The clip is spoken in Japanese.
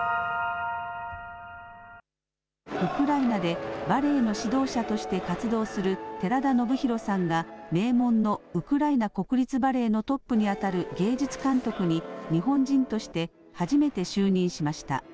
ウクライナでバレエの指導者として活動する寺田宜弘さんが名門のウクライナ国立バレエのトップにあたる芸術監督に日本人として初めて就任しました。